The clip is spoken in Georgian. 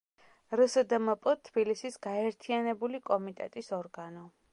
რსდმპ თბილისის გაერთიანებული კომიტეტის ორგანო.